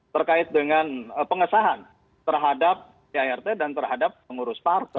terkait dengan pengesahan terhadap jart dan terhadap pengurus partai